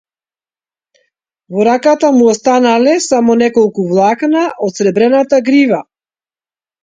Во раката му останале само неколку влакна од сребрената грива.